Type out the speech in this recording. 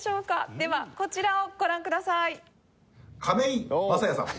ではこちらをご覧ください。